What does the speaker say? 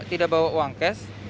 ya bisa diperlakukan